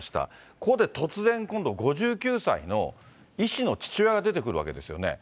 ここで突然、５９歳の医師の父親が出てくるわけですよね。